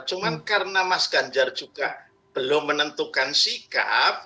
cuma karena mas ganjar juga belum menentukan sikap